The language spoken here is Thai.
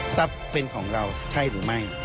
ทรัพย์เป็นของเราใช่หรือไม่